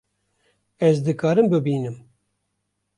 Ez dikarim bibînim